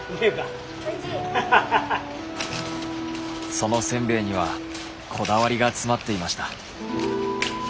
そのせんべいにはこだわりが詰まっていました。